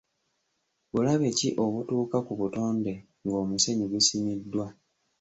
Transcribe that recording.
Bulabe ki obutuuka ku butonde ng'omusenyu gusimiddwa?